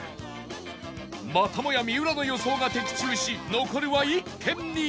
またもや三浦の予想が的中し残るは１軒に